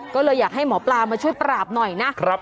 ก็เลยอยากให้หมอปลามาช่วยปราบหน่อยนะ